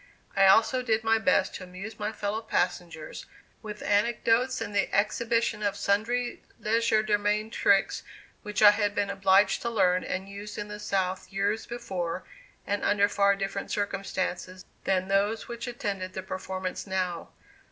I also did my best to amuse my fellow passengers with anecdotes and the exhibition of sundry legerdemain tricks which I had been obliged to learn and use in the South years before and under far different circumstances than those which attended the performance now.